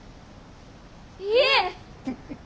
いえ。